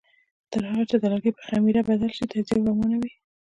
تر هغه چې د لرګي په خمېره بدل شي تجزیه روانه وي.